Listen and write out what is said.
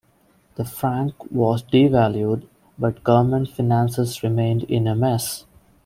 The franc was devalued, but government finances remained in a mess.